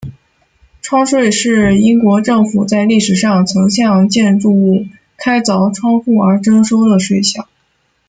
窗税是英国政府在历史上曾向建筑物开凿窗户而征收的税项。